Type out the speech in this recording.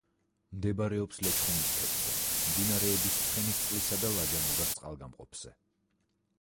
მდებარეობს ლეჩხუმის ქედზე, მდინარეების ცხენისწყლისა და ლაჯანურას წყალგამყოფზე.